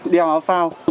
đeo áo phao